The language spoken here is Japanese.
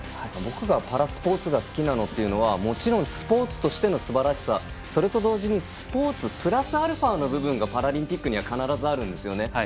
僕がパラスポーツを好きだというのはスポーツとしてのすばらしさそれと同時にスポーツプラスアルファの部分がパラリンピックには必ずあるんですね。